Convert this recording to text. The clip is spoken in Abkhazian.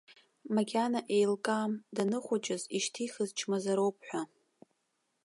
Макьана еилкаам, даныхәыҷыз ишьҭихыз чмазароуп ҳәа.